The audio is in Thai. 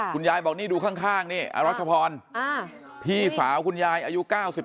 คุณยายบอกนี่ดูข้างนี่อรัชพรพี่สาวคุณยายอายุ๙๓